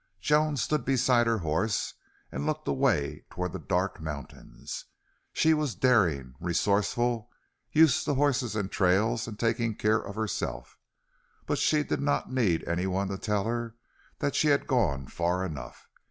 Joan stood beside her horse and looked away toward the dark mountains. She was daring, resourceful, used to horses and trails and taking care of herself; and she did not need anyone to tell her that she had gone far enough.